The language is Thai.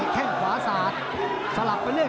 แล้วทีมงานน่าสื่อ